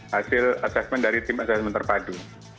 hasil asesmen dari tim asesmen terpadu